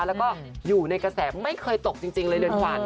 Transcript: แล้วก็อยู่ในกระแสไม่เคยตกจริงเลยเรือนขวัญ